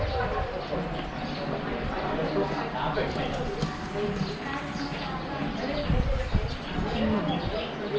และก็จะถึงเกาะสุดท้าย